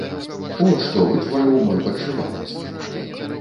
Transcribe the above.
От што вычварыў мой падшывалец.